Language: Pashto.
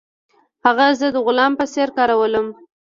هغه زه د غلام په څیر کارولم.